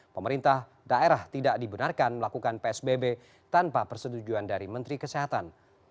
pemerintah daerah tidak dibenarkan melakukan psbb tanpa persetujuan dari menteri kesehatan